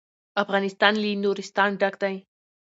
افغانستان له نورستان ډک دی.